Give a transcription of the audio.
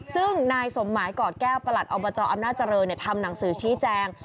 ซึ่งนายสมหมายกอดแก้วประหลัดอบจอำนาจเจริญทำหนังสือชี้แจง